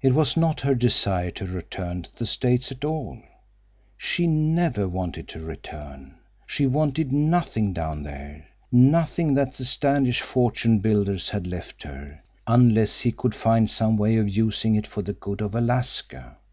It was not her desire to return to the States at all. She never wanted to return. She wanted nothing down there, nothing that the Standish fortune builders had left her, unless he could find some way of using it for the good of Alaska.